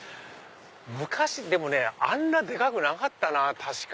昔あんなでかくなかった確か。